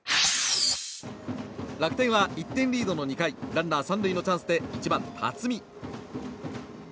楽天は１点リードの２回ランナー３塁のチャンスで１番、辰己。